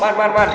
man man man